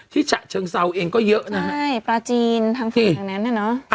ฉะเชิงเซาเองก็เยอะนะฮะใช่ปลาจีนทางฝั่งทางนั้นน่ะเนอะ